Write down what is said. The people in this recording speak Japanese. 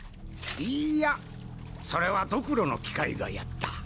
いいやそれはドクロの機械がやった。